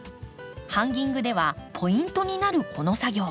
ハンギングではポイントになるこの作業。